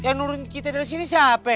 yang nurun kita dari sini siapa